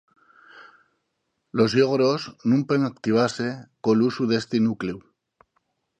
Los llogros nun puen activase col usu d'esti nucleu.